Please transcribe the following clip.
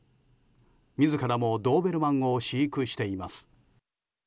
自らもドーベルマンを飼育しています。